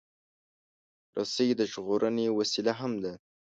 رسۍ د ژغورنې وسیله هم ده.